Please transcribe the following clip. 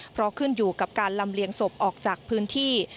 เพราะขึ้นอยู่กับการลำเลียงศพออกจากพื้นที่